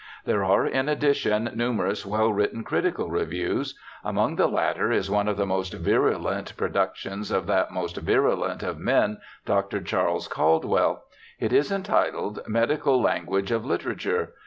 There are in addition numerous well written critical reviews. Among the latter is one of the most virulent productions of that most virulent of men, Dr. Charles Caldwell. It is entitled Medical Lan guage of Literature.